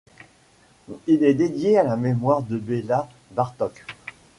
Elle est dédiée à la mémoire de Béla Bartók.